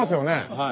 はい。